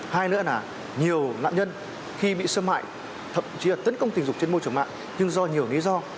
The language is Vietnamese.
hai nữa là nhiều nạn nhân khi bị xâm hại thậm chí là tấn công tình dục trên môi trường mạng nhưng do nhiều lý do